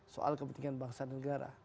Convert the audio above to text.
soal kepentingan bangsa dan negara